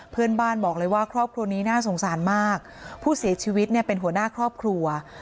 เพื่อนบ้านบอกเลยว่าครอบครัวนี้น่าสงสารมากผู้เสียชีวิตเนี่ยเป็นหัวหน้าครอบครัว